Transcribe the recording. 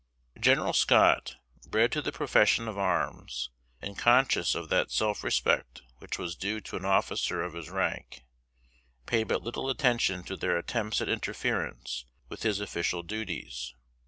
General Scott, bred to the profession of arms, and conscious of that self respect which was due to an officer of his rank, paid but little attention to their attempts at interference with his official duties.